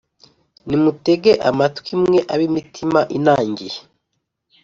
nimutege amatwi mwe, ab’imitima inangiye,